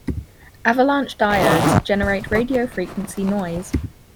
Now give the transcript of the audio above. Avalanche diodes generate radio frequency noise.